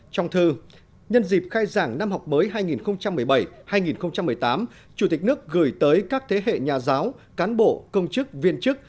trong thư nhân dịp khai giảng năm học mới hai nghìn một mươi bảy hai nghìn một mươi tám chủ tịch nước gửi tới các thế hệ nhà giáo cán bộ công chức viên chức